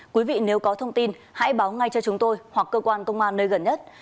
quý vị nếu có thông tin hãy báo ngay cho chúng tôi hoặc cơ quan công an nơi gần nhất